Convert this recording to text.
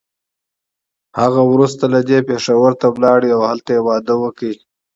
هغه وروسته له دې پېښور ته لاړه او هلته يې واده وکړ.